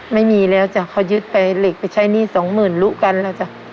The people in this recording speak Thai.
ไม่มีแล้วจ้ะเขายึดไปเหล็กไปใช้หนี้สองหมื่นลูกันแล้วจ้ะ